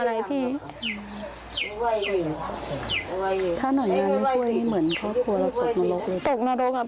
ตะลวงทุกคน